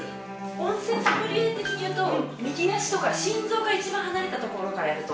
温泉ソムリエ的に言うと右足とか心臓からいちばん離れたところからやると。